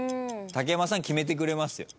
竹山さん決めてくれますよ。